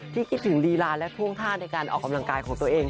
คิดถึงลีลาและท่วงท่าในการออกกำลังกายของตัวเอง